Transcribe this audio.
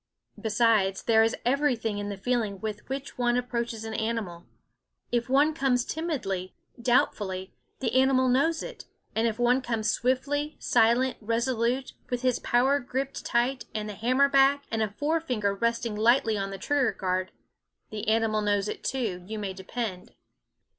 Besides, there is everything in the feeling with which one approaches an animal. If one comes timidly, doubtfully, the animal knows it; and if one comes swift, silent, resolute, with his power gripped tight, and the hammer back, and a forefinger resting lightly on the trigger guard, the animal knows it too, you may depend.